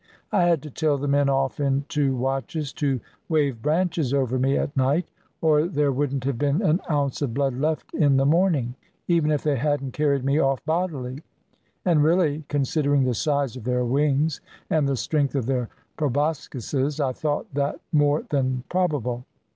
I had to tell the men off into watches to wave branches over me at night, or there wouldn't have been an ounce of blood left in the morning, even if they hadn't carried me off bodily, and really, considering the size of their wings and the strength of their proboscises, I thought that more than probable.